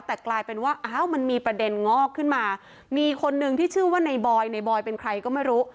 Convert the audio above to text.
แต่กลายเป็นว่าอ้าวมันมีประเด็นงอกขึ้นมามีคนนึงที่ชื่อว่าในบอยในบอยเป็นใครก็ไม่รู้